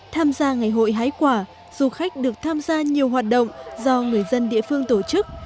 tham gia ngày hội hái quả du khách được tham gia nhiều hoạt động do người dân địa phương tổ chức